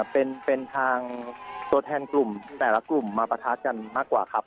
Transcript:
เป็นทางตัวแทนกลุ่มแต่ละกลุ่มมาประทะกันมากกว่าครับ